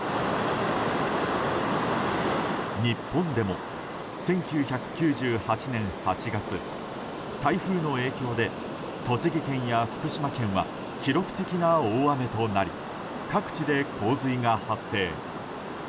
日本でも１９９８年８月台風の影響で栃木県や福島県は記録的な大雨となり各地で洪水が発生。